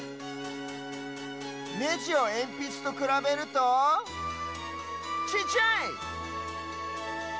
ネジをえんぴつとくらべるとちっちゃい！